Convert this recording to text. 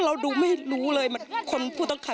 พร้อมด้วยผลตำรวจเอกนรัฐสวิตนันอธิบดีกรมราชทัน